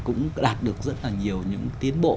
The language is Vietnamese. cũng đạt được rất là nhiều những tiến bộ